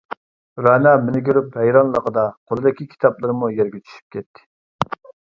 رەنا مېنى كۆرۈپ ھەيرانلىقىدا، قولىدىكى كىتابلىرىمۇ يەرگە چۈشۈپ كەتتى.